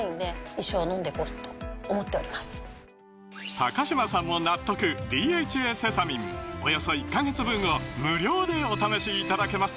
高嶋さんも納得「ＤＨＡセサミン」およそ１カ月分を無料でお試しいただけます